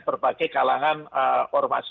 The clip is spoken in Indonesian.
berbagai kalangan ormas